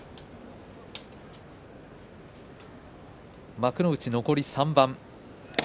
幕内残り３番です。